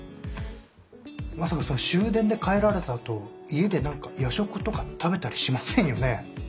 まさか終電で帰られたあと家で何か夜食とか食べたりしませんよね？